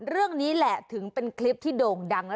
เรื่องนี้แหละถึงเป็นคลิปที่โด่งดังแล้ว